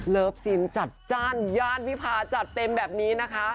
เลิฟซีนจัดจ้านญาติพี่ภาพจัดเต็มแบบนี้นะคะ